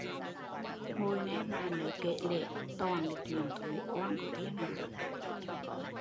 Ngồi nghe bà nớ kể lể, toàn là chuyện thúi oang của thiên hạ